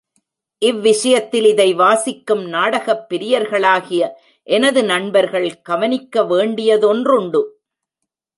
இவ்விஷயத்தில், இதை வாசிக்கும் நாடகப் பிரியர்களாகிய எனது நண்பர்கள் கவனிக்க வேண்டியதொன்றுண்டு.